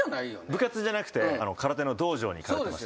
部活じゃなくて空手の道場に通ってました。